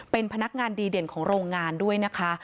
เป็นพนักงานดีเด่นของโรงงานด้วยนะคะ